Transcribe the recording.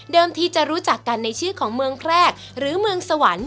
ที่จะรู้จักกันในชื่อของเมืองแพรกหรือเมืองสวรรค์